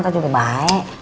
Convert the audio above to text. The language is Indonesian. ntar juga baik